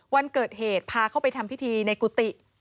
วันเกิดเหตุพาเข้าไปทำพิธีในกุฏิ